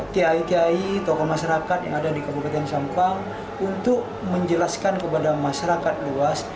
kiai kiai tokoh masyarakat yang ada di kabupaten sampang untuk menjelaskan kepada masyarakat luas